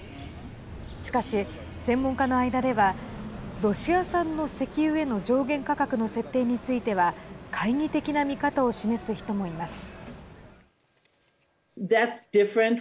しかし、専門家の間ではロシア産の石油への上限価格の設定については懐疑的な見方を示す人もいます。